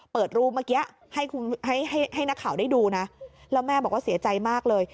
เปิดรูปเมื่อกี้ให้นักข่าวได้ดูนะแล้วแม่บอกว่าเสียใจมากเลย